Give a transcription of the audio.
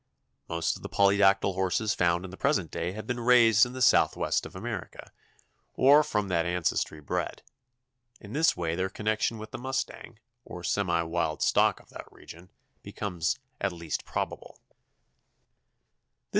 Most of the polydactyl horses found in the present day have been raised in the southwest of America, or from that ancestry bred. In this way their connection with the mustang, or semi wild stock of that region, becomes at least probable.